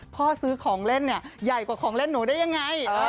ซื้อของเล่นเนี่ยใหญ่กว่าของเล่นหนูได้ยังไง